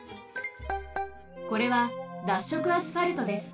これは脱色アスファルトです。